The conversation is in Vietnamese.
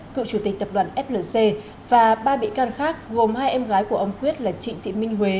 cựu chủ tịch tập đoàn flc và ba bị can khác gồm hai em gái của ông quyết là trịnh thị minh huế